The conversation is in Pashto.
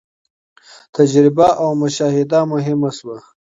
تجربه او مشاهده مهمه سوه.